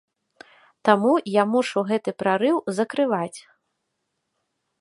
Таму я мушу гэты прарыў закрываць.